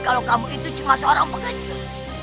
kalau kamu itu cuma seorang penganjur